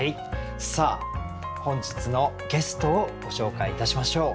本日のゲストをご紹介いたしましょう。